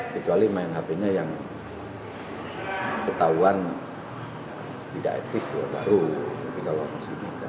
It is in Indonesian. kecuali main hp nya yang ketahuan tidak etis baru kita lakukan